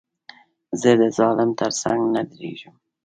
زه د ظالم تر څنګ نه درېږم.